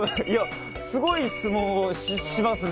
すごい質問しますね。